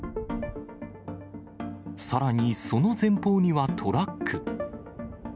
さらにその前方にはトラック。